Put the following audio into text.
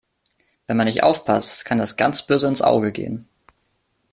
Wenn man nicht aufpasst, kann das ganz böse ins Auge gehen.